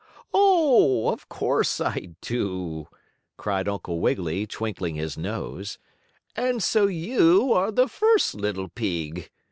"Oh, of course I do!" cried Uncle Wiggily, twinkling his nose. "And so you are the first little pig.